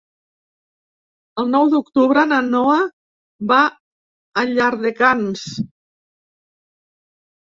El nou d'octubre na Noa va a Llardecans.